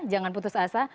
jangan putus asa